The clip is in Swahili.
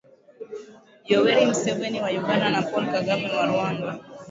Yoweri Museveni wa Uganda na Paul Kagame wa Rwanda